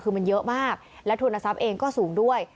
คือมันเยอะมากและทุนทรัพย์เองก็สูงด้วย